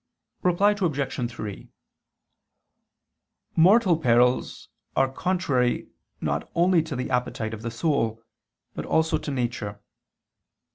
Reply Obj. 3: Mortal perils are contrary not only to the appetite of the soul, but also to nature.